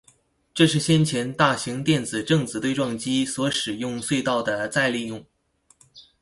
这是先前大型电子正子对撞机所使用隧道的再利用。